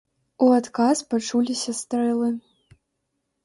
У адказ пачуліся стрэлы.